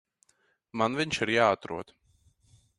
Man viņš ir jāatrod.